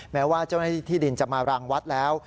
แม้ว่าเจ้าหน้าที่ที่ดินจะมารังวัดแล้ว